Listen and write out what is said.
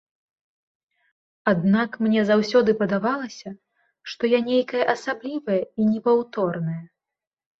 Аднак мне заўсёды падавалася, што я нейкая асаблівая і непаўторная.